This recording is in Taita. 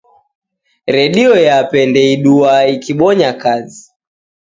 Redio yape ndeiduaa ikibonya kazi.